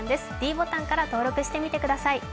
ｄボタンから登録してみてください。